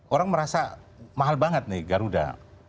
orang merasa mahal banget nih garuda